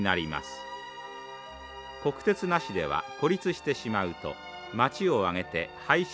国鉄なしでは孤立してしまうと町を挙げて廃止